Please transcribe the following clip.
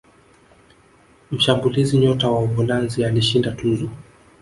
mshambulizi nyota wa uholanzi alishinda tuzo